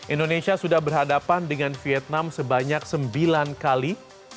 indonesia sudah berhadapan dengan vietnam sebanyak sembilan kali